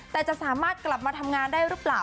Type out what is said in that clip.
แต่จะสามารถกลับมาทำงานได้หรือเปล่า